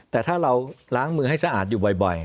แต่ถ้าเราล้างมือให้สะอาดอยู่บ่อย